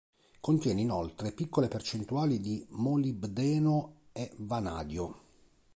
Contiene inoltre piccole percentuali di molibdeno e vanadio.